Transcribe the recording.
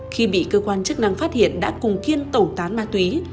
khi bị cơ quan chức năng phát hiện đã cùng kiên tẩu tán ma túy